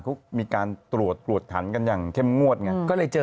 เขามีการตรวจถันกันอย่างเข้มงวดอย่างนี้ก็เลยเจอ